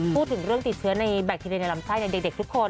พูดถึงเรื่องติดเชื้อในแบคทีเรียในลำไส้ในเด็กทุกคน